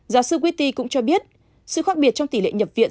giáo sư quy tì cũng cho biết sự khác biệt trong tỷ lệ nhập viện